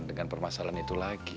dengan permasalahan itu lagi